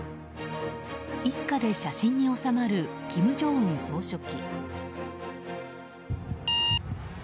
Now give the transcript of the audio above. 一家で写真に収まる金正恩総書記。